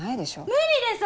無理です！